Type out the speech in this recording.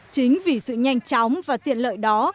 chính vì sự nhanh chóng và tiện lợi đó